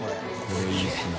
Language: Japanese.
これいいですね。